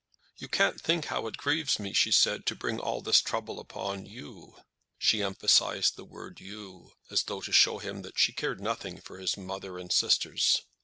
"You can't think how it grieves me," she said, "to bring all this trouble upon you." She emphasised the word "you," as though to show him that she cared nothing for his mother and sisters.